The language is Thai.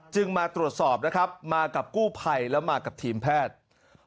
มาตรวจสอบนะครับมากับกู้ภัยแล้วมากับทีมแพทย์